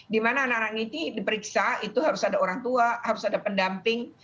dimana anak anak ini diperiksa itu harus ada orang tua harus ada pendamping